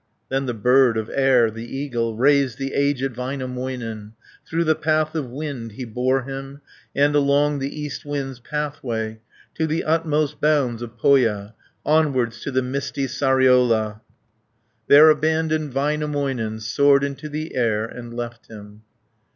Then the bird of air, the eagle, Raised the aged Väinämöinen, 110 Through the path of wind he bore him, And along the east wind's pathway, To the utmost bounds of Pohja, Onwards to the misty Sariola, There abandoned Väinämöinen, Soared into the air, and left him.